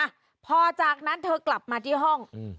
อ่ะพอจากนั้นเธอกลับมาที่ห้องอืม